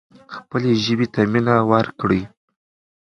خپلې ژبې ته مینه ورکړو.